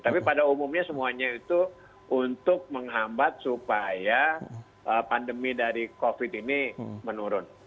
tapi pada umumnya semuanya itu untuk menghambat supaya pandemi dari covid ini menurun